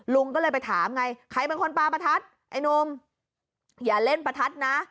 ลุงก็เลยไปถามไงใครเป็นคนปลาประทัดไอ้หนุ่มอย่าเล่นประทัดนะ